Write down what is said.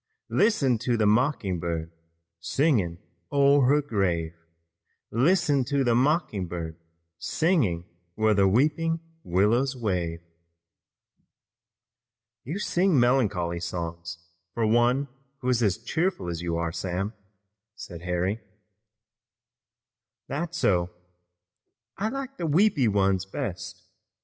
Listen to the mocking bird, singing o'er her grave. Listen to the mocking bird, singing where the weeping willows wave." "You sing melancholy songs for one who is as cheerful as you are, Sam," said Harry. "That's so. I like the weepy ones best.